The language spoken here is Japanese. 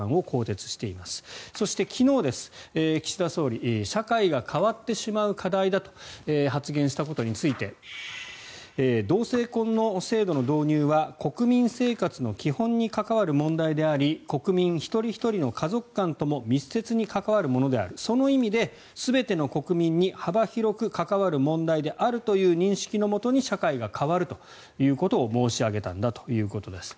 総理社会が変わってしまう課題だと発言したことについて同性婚の制度の導入は国民生活の基本に関わる問題であり国民一人ひとりの家族観とも密接に関わるものであるその意味で全ての国民に幅広く関わる問題であるという認識のもとに社会が変わるということを申し上げたんだということです。